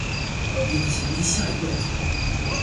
Il est aussi musicien et poète.